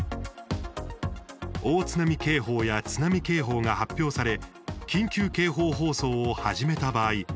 大津波警報や津波警報が発表され緊急警報放送を始めた場合